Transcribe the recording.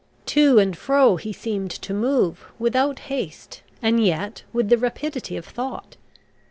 To and fro he seemed to move, without haste, and yet with the rapidity of thought.